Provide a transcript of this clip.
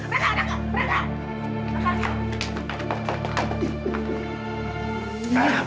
rekan kakak rekan